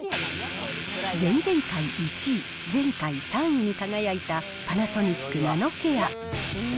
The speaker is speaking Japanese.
前々回１位、前回３位に輝いたパナソニックナノケア。